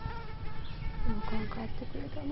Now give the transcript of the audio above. あの子が変わってくれたの。